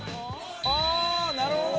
ああなるほど！